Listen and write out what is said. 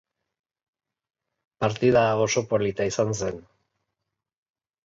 Partida oso polita izan zen.